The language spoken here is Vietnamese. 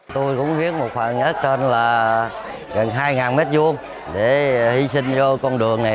tôi cũng hiến một khoảng nhất trên là gần hai m hai để hy sinh vô con đường này